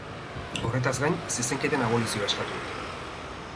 Horretaz gain, zezenketen abolizioa eskatu dute.